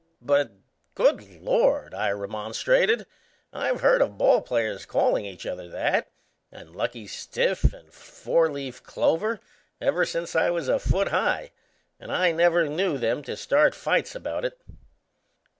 "But, good Lord!" I remonstrated, "I've heard of ball players calling each other that, and Lucky Stiff, and Fourleaf Clover, ever since I was a foot high, and I never knew them to start fights about it."